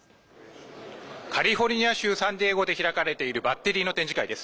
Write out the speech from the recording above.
カリフォルニア州サンディエゴで開かれているバッテリーの展示会です。